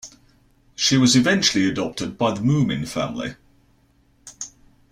She was eventually adopted by the Moomin family.